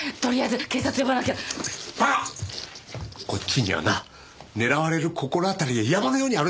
こっちにはな狙われる心当たりが山のようにあるんだ。